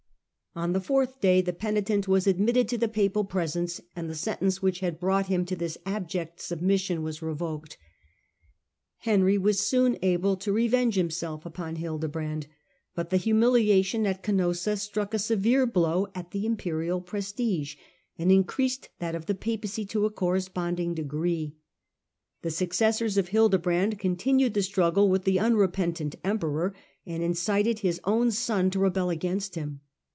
On the fourth day the penitent was admitted to the Papal presence and the sentence which had brought him to this abject submission was revoked. Henry was soon able to revenge himself upon Hildebrand, but the humiliation at Canossa struck a severe blow at the Imperial prestige and increased that of the Papacy to a corresponding degree. The successors of Hilde brand continued the struggle with the unrepentant Emperor and incited his own son to rebel against him.